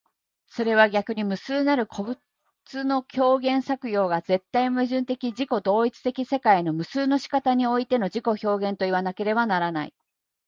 それは逆に無数なる個物の表現作用が絶対矛盾的自己同一的世界の無数の仕方においての自己表現といわなければならない。